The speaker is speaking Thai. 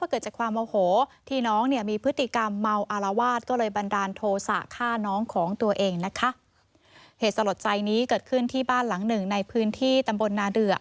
เหตุสลดใจนี้เกิดขึ้นที่บ้านหลังหนึ่งในพื้นที่ตำบลนาเดือ